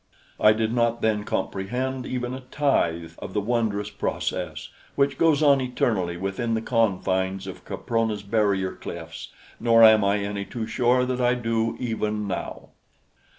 I did not then comprehend even a tithe of the wondrous process, which goes on eternally within the confines of Caprona's barrier cliffs nor am I any too sure that I do even now.